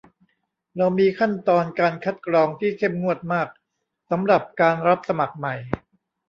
เรามีขั้นตอนการคัดกรองที่เข้มงวดมากสำหรับการรับสมัครใหม่